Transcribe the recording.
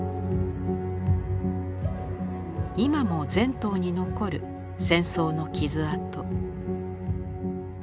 今も全島に残る戦争の傷痕。